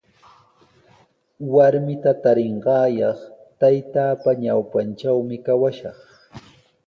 Warmita tarinqaayaq taytaapa ñawpantrawmi kawashaq.